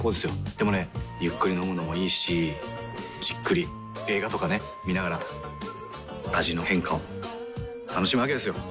でもねゆっくり飲むのもいいしじっくり映画とかね観ながら味の変化を楽しむわけですよ。